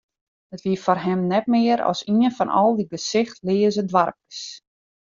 It wie foar him net mear as ien fan al dy gesichtleaze doarpkes.